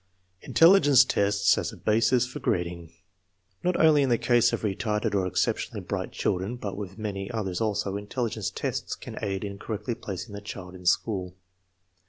Intelligence tests as a basis for grading. Not only in the case of retarded or exceptionally bright children, but with many others also, intelligence tests can aid ia correctly placing the child in school.